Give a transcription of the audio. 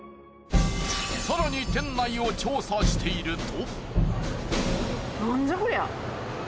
更に店内を調査していると。